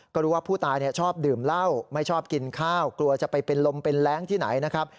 ก็รู้ว่าผู้ตายชอบดื่มเหล้าไม่ชอบกินข้าวกลัวจะไปเป็นลมเป็นแรงที่ไหนนะครับ